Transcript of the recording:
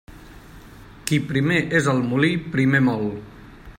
Qui primer és al molí, primer mol.